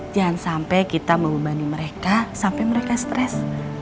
jangan sampai kita membebani mereka sampai mereka stres